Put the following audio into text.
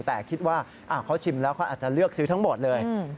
แต่คิดว่าเขาชิมแล้วเขาอาจจะเลือกซื้อทั้งหมดเลย